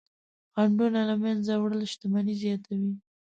خنډونه له منځه وړل شتمني زیاتوي.